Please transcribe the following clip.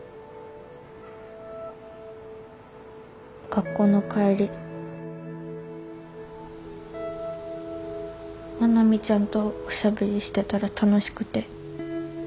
学校の帰り愛美ちゃんとおしゃべりしてたら楽しくて。